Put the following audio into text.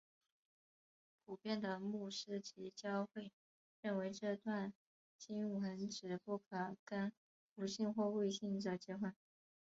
普遍的牧师及教会认为这段经文指不可跟不信或未信者结婚。